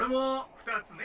「２つね」。